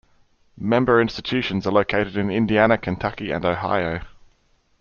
Member institutions are located in Indiana, Kentucky and Ohio.